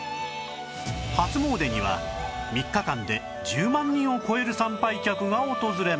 初詣には３日間で１０万人を超える参拝客が訪れます